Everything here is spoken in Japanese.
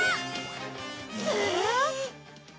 えっ？